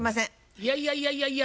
いやいやいやいやいや。